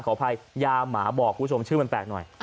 ขออภัยยาหมาบอกคุณผู้ชมชื่อมันแปลกหน่อย